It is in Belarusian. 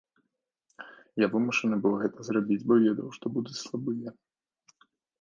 Я вымушаны быў гэта зрабіць, бо ведаў, што будуць слабыя.